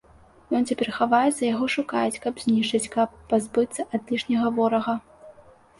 Ён цяпер хаваецца, яго шукаюць, каб знішчыць, каб пазбыцца ад лішняга ворага.